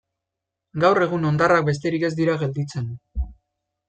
Gaur egun hondarrak besterik ez dira gelditzen.